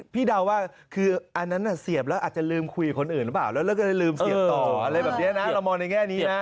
พี่เดาว่าคืออันนั้นเสียบแล้วอาจจะลืมคุยกับคนอื่นหรือเปล่าแล้วเราก็ลืมเสียบต่อเรามองในแง่นี้นะ